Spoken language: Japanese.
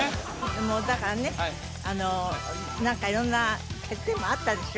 もうだからね何か色んな欠点もあったでしょう